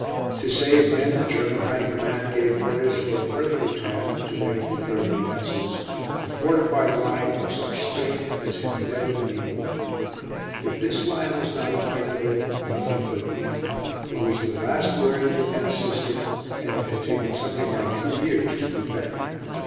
To save men the German high command gave orders for a further retirement to their Hindenburg defences, a fortified line of such strength as had never been equalled. If this line was not impregnable, nothing could be. It was the last word in defence system and it had taken something like two years to perfect.